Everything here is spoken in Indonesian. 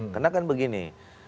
karena kan begini